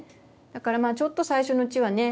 だからちょっと最初のうちはね